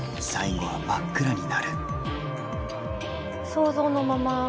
想像のまま。